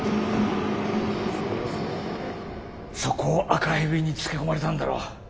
そこを赤蛇につけ込まれたんだろ。